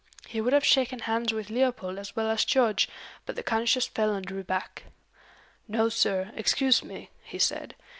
He would have shaken hands with Leopold as well as George, but the conscious felon drew back. "No, sir; excuse me," he said.